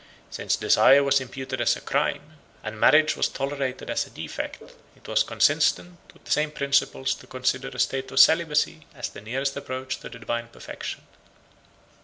93 Since desire was imputed as a crime, and marriage was tolerated as a defect, it was consistent with the same principles to consider a state of celibacy as the nearest approach to the divine perfection.